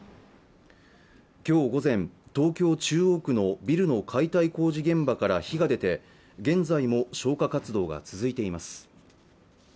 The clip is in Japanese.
今日午前、東京中央区のビルの解体工事現場から火が出て現在も消火活動が続いています